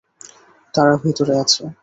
তারা ভিতরে আছে।